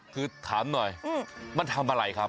คือถามหน่อยมันทำอะไรครับ